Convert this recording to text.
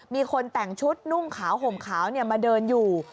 มีคนแต่งชุดนุ่งขาวห่มขาวมาเดินอยู่